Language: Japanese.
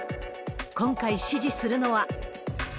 今回、支持するのは。